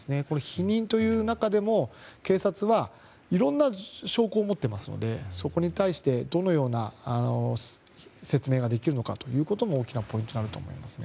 否認という中でも警察はいろんな証拠を持っていますのでそこに対してどのような説明ができるかということも大きなポイントになると思います。